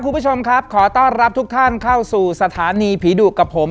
คุณผู้ชมครับขอต้อนรับทุกท่านเข้าสู่สถานีผีดุกับผม